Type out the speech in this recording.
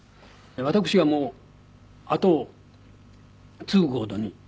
私がもう跡を継ぐ事に。